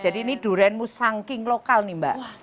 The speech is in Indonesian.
jadi ini durian musangking lokal nih mbak